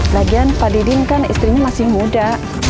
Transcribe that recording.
lagian pak didin kan istrinya masih muda